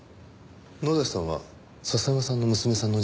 野崎さんは笹山さんの娘さんの事件の事は？